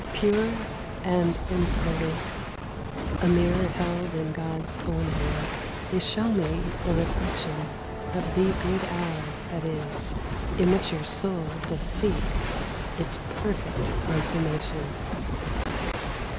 Pure and unsullied A mirror held in God's own hand, They show me the reflection Of the good hour that is, In which your soul doth seek Its perfect consummation.